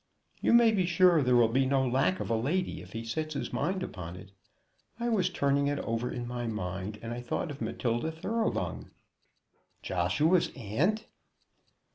"You may be sure there will be no lack of a lady if he sets his mind upon it. I was turning it over in my mind, and I thought of Matilda Thoroughbung." "Joshua's aunt!"